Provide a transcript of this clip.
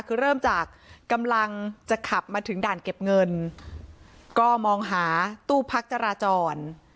คือเริ่มจากกำลังจะขับมาถึงด่านเก็บเงินก็มองหาตู้พักจราจร